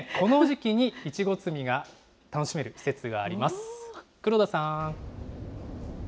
この時期にいちごつみが楽しめる施設があります。